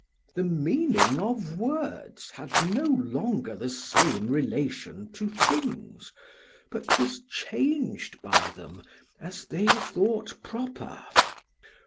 The meaning of words had no longer the same relation to things, but was changed by them as they thought proper.